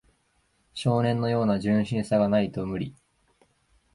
少年のような純真さがないと無理